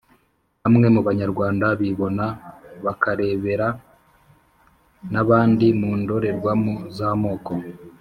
Bamwe Mu Banyarwanda Bibona Bakarebera N Abandi Mu Ndorerwamo Z Amoko